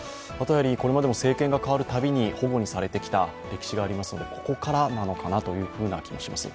これまでも政権が代わるたびにほごにされていた、ここからなのかなという気もします。